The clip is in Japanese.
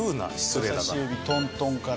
人さし指トントンから。